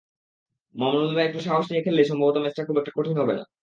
মামুনুলরা একটু সাহস নিয়ে খেললেই সম্ভবত ম্যাচটা খুব একটা কঠিন হবে না।